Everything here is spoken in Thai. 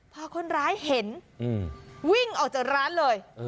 พอคนร้ายเห็นวิ่งออกจากร้านเลย